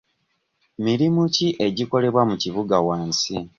Mirimu ki egikolebwa mu kibuga wansi?